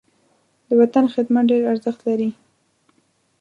د وطن خدمت ډېر ارزښت لري.